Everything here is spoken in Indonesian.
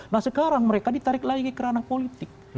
nah sekarang mereka ditarik lagi ke ranah politik